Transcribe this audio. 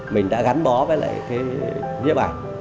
mình đã gắn bó với lại cái nhếp ảnh